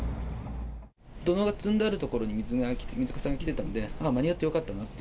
土のうが積んである所に水かさが来てたんで、間に合ってよかったなと。